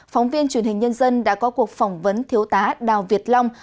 phóng viên truyền hình nhân dân đã có cuộc phỏng vấn thiếu tá đào việt long